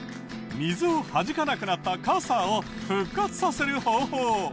水をはじかなくなった傘を復活させる方法。